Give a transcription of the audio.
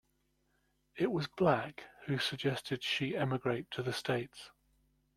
It was Black who suggested she emigrate to the States.